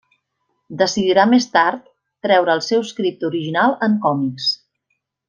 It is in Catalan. Decidirà més tard treure el seu script original en còmics.